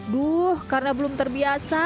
duh karena belum terbiasa